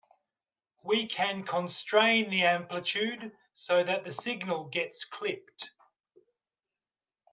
We can constrain the amplitude so that the signal gets clipped.